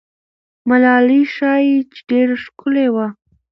ملالۍ ښایي چې ډېره ښکلې وه.